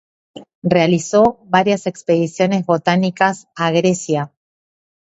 Realizó varias expediciones botánicas a Grecia.